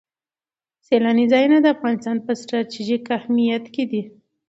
سیلاني ځایونه د افغانستان په ستراتیژیک اهمیت کې دي.